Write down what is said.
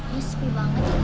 ya sepi banget